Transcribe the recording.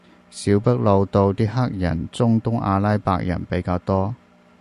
小北路度啲黑人中東阿拉伯人比較多